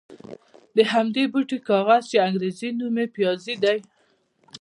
د همدې بوټي کاغذ چې انګرېزي نوم یې پپیازي دی.